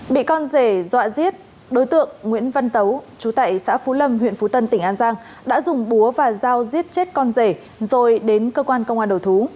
bị con rể dọa giết đối tượng nguyễn văn tấu chú tại xã phú lâm huyện phú tân tỉnh an giang đã dùng búa và dao giết chết con rể rồi đến cơ quan công an đầu thú